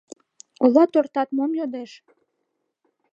Ола тортат мом йодеш?